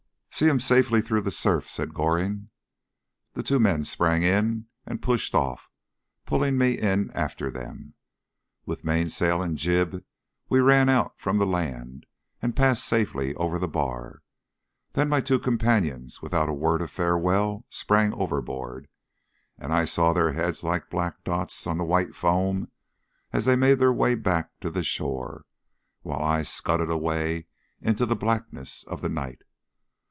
"See him safely through the surf," said Goring. The two men sprang in and pushed off, pulling me in after them. With mainsail and jib we ran out from the land and passed safely over the bar. Then my two companions without a word of farewell sprang overboard, and I saw their heads like black dots on the white foam as they made their way back to the shore, while I scudded away into the blackness of the night.